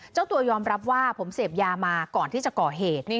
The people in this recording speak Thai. เจ้าตัวยอมรับว่าผมเสพยามาก่อนที่จะก่อเหตุ